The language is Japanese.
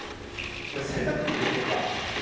これは洗濯機でしょうか。